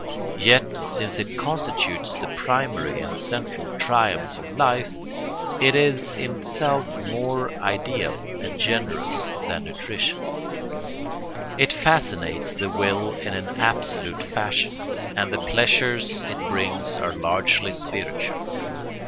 Yet, since it constitutes the primary and central triumph of life, it is in itself more ideal and generous than nutrition; it fascinates the will in an absolute fashion, and the pleasures it brings are largely spiritual.